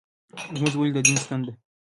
لمونځ ولې د دین ستون دی؟